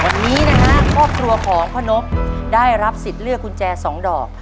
วันนี้นะฮะครอบครัวของพ่อนพได้รับสิทธิ์เลือกกุญแจสองดอก